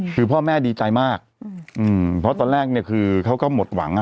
คือพ่อแม่ดีใจมากเพราะตอนแรกเนี่ยคือเขาก็หมดหวังอ่ะ